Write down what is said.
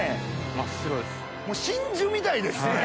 真珠みたいですね！